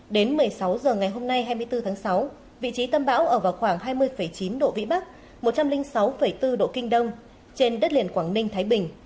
đến một mươi sáu h ngày hôm nay hai mươi bốn tháng sáu vị trí tâm bão ở vào khoảng hai mươi chín độ vĩ bắc một trăm linh sáu bốn độ kinh đông trên đất liền quảng ninh thái bình